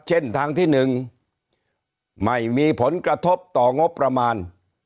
เช่นทางที่๑ไม่มีผลกระทบต่องบประมาณ